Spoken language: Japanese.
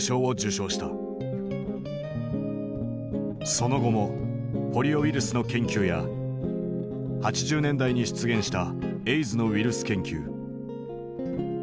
後にその後もポリオウイルスの研究や８０年代に出現したエイズのウイルス研究。